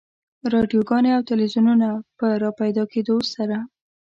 رادیوګانو او تلویزیونونو په راپیدا کېدو سره.